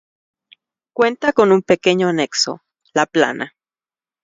Cuenta con un pequeño anexo, la Plana.